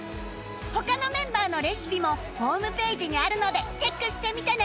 他のメンバーのレシピもホームページにあるのでチェックしてみてね。